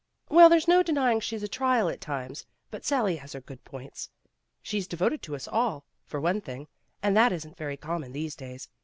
"Well, there's no denying she's a trial at times, but Sally has her good points. She's devoted to us all, for one thing, and that isn't very common these days.